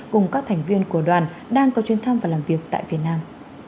cùng các thành viên của đoàn đang có chuyến thăm và làm việc tại việt nam